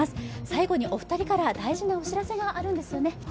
最後にお二人から大事なお知らせがあるんですよね。